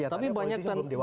tapi banyak tanda tanda